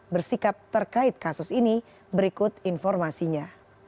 bersikap terkait kasus ini berikut informasinya